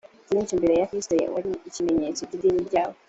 byinshi mbere ya kristo wari ikimenyetso cy idini ryabo